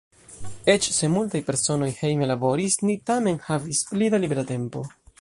Eĉ se multaj personoj hejme laboris, ni tamen havis pli da libera tempo.